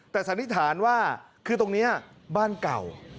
แต่สันนิษฐานว่าคือตรงนี้บ้านเก่า